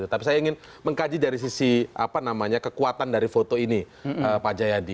tapi saya ingin mengkaji dari sisi kekuatan dari foto ini pak jayadi